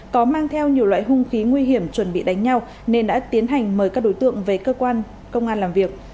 có mang theo nhiều loại hung khí nguy hiểm chuẩn bị đánh nhau nên đã tiến hành mời các đối tượng về cơ quan công an làm việc